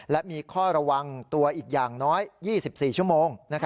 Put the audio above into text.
และมีข้อระวังตัวอีกอย่างน้อย๒๔ชั่วโมง